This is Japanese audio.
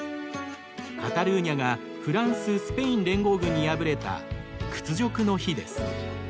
カタルーニャがフランス・スペイン連合軍に敗れた屈辱の日です。